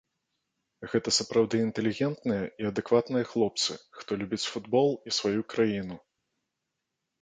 Гэта сапраўды інтэлігентныя і адэкватныя хлопцы, хто любіць футбол і сваю краіну.